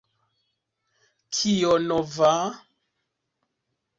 Kio nova?